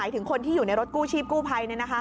ถึงคนที่อยู่ในรถกู้ชีพกู้ภัย